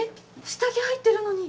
下着入ってるのに。